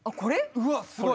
うわっすごい！